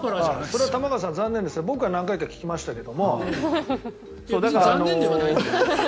それは玉川さん残念ですが僕は何回か聞きましたが。